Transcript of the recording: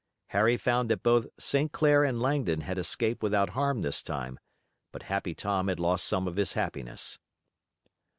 Harry found that both St. Clair and Langdon had escaped without harm this time, but Happy Tom had lost some of his happiness.